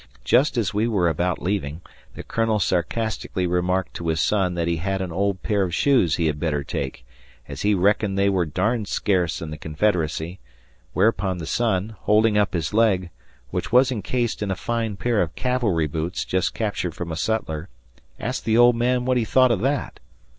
Just as we were about leaving the Colonel sarcastically remarked to his son that he had an old pair of shoes he had better take, as he reckoned they were darned scarce in the Confederacy, whereupon the son, holding up his leg, which was encased in a fine pair of cavalry boots just captured from a sutler, asked the old man what he thought of that.